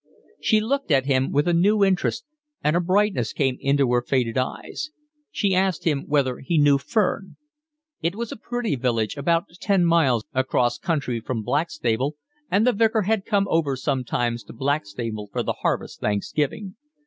She looked at him with a new interest, and a brightness came into her faded eyes. She asked him whether he knew Ferne. It was a pretty village about ten miles across country from Blackstable, and the Vicar had come over sometimes to Blackstable for the harvest thanksgiving.